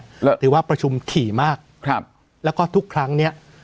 ถือว่าประชุมถี่มากครับแล้วก็ทุกครั้งเนี้ย